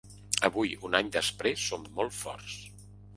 Avui, un any després, som molt forts.